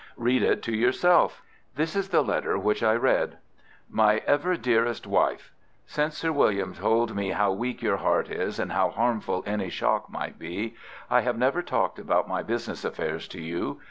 Read it to yourself." This is the letter which I read:— "MY EVER DEAREST WIFE,— "Since Sir William told me how weak your heart is, and how harmful any shock might be, I have never talked about my business affairs to you.